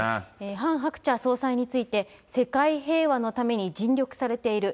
ハン・ハクチャ総裁について、世界平和のために尽力されている。